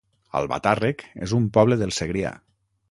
Albatàrrec es un poble del Segrià